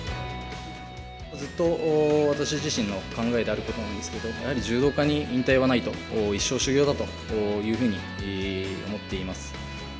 ずっと私自身の考えであることなんですけど、やはり柔道家に引退はないと、一生修行だというふうに思っています。